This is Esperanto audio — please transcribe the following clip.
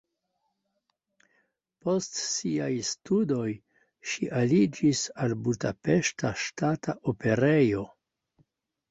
Post siaj studoj ŝi aliĝis al Budapeŝta Ŝtata Operejo.